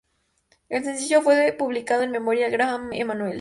El sencillo fue publicado en memoria de Graham Emanuel.